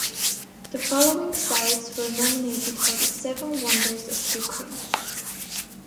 The following sites were nominated for the Seven Wonders of Ukraine.